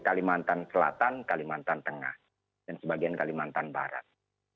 kalimantan selatan kalimantan tengah dan sebagian kalimantan barat